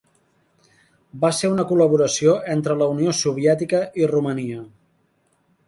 Va ser una col·laboració entre la Unió Soviètica i Romania.